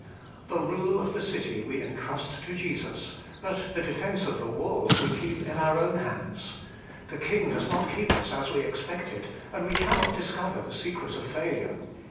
The rule of the city we entrust to Jesus : but the defence of HOLINESS AND THE BODY. 203 the walls we keep in our own hands ; the King does not keep us as we expected, and we cannot discover the secret of failure.